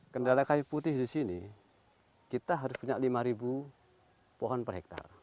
kendala kayu putih di sini kita harus punya lima pohon per hektare